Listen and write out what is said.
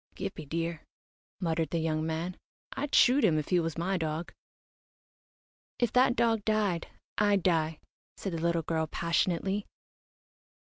"Gippie dear," muttered the young man. "I'd shoot him if he was my dog." "If that dog died, I'd die," said the little girl, passionately.